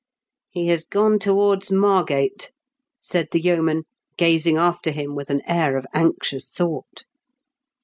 " He has gone towards Margate/' said the yeoman, gazing after him with an air of anxious thought.